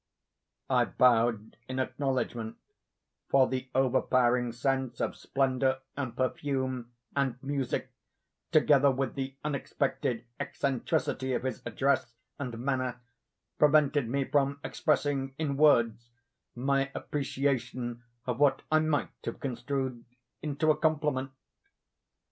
I bowed in acknowledgment—for the overpowering sense of splendor and perfume, and music, together with the unexpected eccentricity of his address and manner, prevented me from expressing, in words, my appreciation of what I might have construed into a compliment.